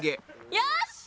よし！